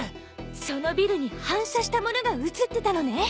そのビルに反射したものが写ってたのね。